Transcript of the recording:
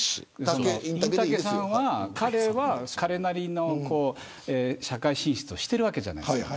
インたけさんは彼なりの社会進出をしているわけじゃないですか。